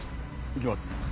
いきます。